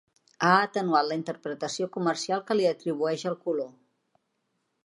Ha atenuat la interpretació comercial que li atribueix el color.